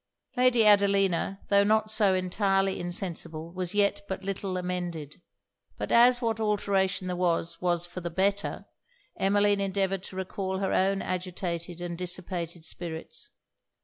Lady Adelina, tho' not so entirely insensible, was yet but little amended. But as what alteration there was, was for the better, Emmeline endeavoured to recall her own agitated and dissipated spirits.